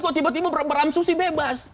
kok tiba tiba beramsu sih bebas